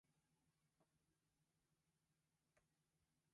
文章が自在で非常に巧妙なこと。